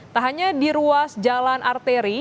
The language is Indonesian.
tak hanya di ruas jalan arteri